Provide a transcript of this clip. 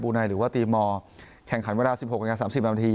บูนัยหรือว่าตีมอแข่งขันเวลา๑๖๓๐นาที